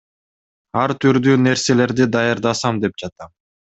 Ар түрдүү нерселерди даярдасам деп жатам.